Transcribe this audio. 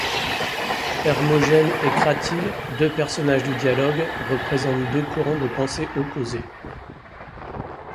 Hermogène et Cratyle, deux personnages du dialogue, représentent deux courants de pensée opposés.